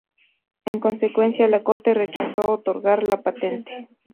En consecuencia, la corte rechazó otorgar la patente.